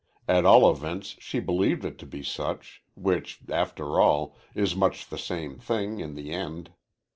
At all events she believed it to be such, which, after all, is much the same thing in the end.